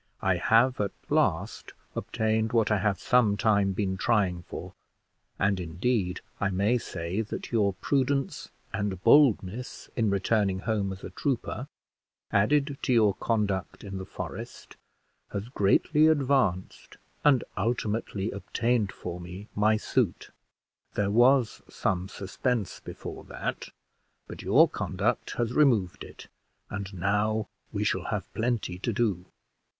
I have at last obtained what I have some time been trying for; and, indeed, I may say, that your prudence and boldness in returning home as a trooper, added to your conduct in the forest, has greatly advanced, and ultimately obtained for me, my suit. There was some suspense before that, but your conduct has removed it; and now we shall have plenty to do."